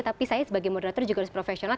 tapi saya sebagai moderator juga harus profesional